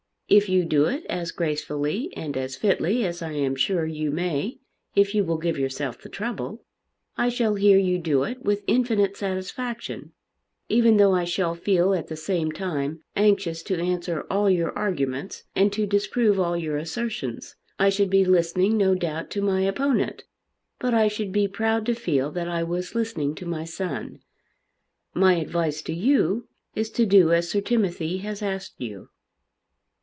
If you do it as gracefully and as fitly as I am sure you may if you will give yourself the trouble, I shall hear you do it with infinite satisfaction, even though I shall feel at the same time anxious to answer all your arguments and to disprove all your assertions. I should be listening no doubt to my opponent; but I should be proud to feel that I was listening to my son. My advice to you is to do as Sir Timothy has asked you."